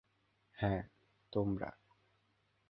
হ্যাঁ, তোমরা।